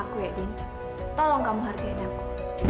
aku ya bintang tolong kamu hargain aku